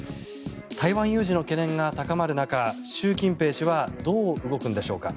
台湾有事の懸念が高まる中習近平氏はどう動くんでしょうか。